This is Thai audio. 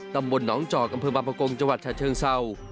ตำบลน้องเจาะกำพืงบำปะกงจังหวัดชะเชิงเศร้า